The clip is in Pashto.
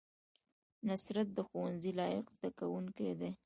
نصرت د ښوونځي لایق زده کوونکی دی